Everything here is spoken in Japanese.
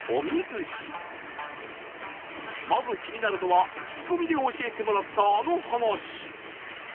まず気になるのは聞き込みで教えてもらったあの話